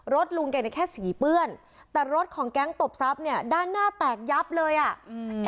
ลุงแกเนี่ยแค่สีเปื้อนแต่รถของแก๊งตบทรัพย์เนี่ยด้านหน้าแตกยับเลยอ่ะอืม